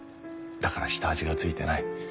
だから下味がついてない。